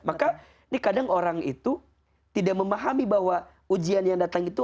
maka ini kadang orang itu tidak memahami bahwa ujian yang datang itu